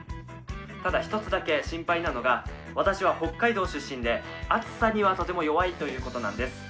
ただ１つだけ心配なのが私は北海道出身で、暑さにはとても弱いということなんです。